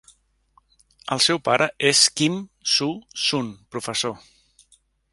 El seu pare és Kim Soo-Sun, professor.